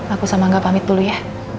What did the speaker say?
aku sama gak pamit dulu ya